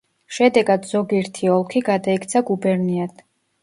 შედეგად ზოგირთი ოლქი გადაიქცა გუბერნიად.